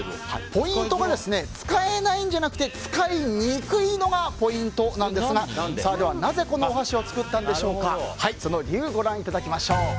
ポイントが使えないんじゃなくて使いにくいのがポイントなんですがでは、なぜこのお箸を作ったのか理由をご覧いただきましょう。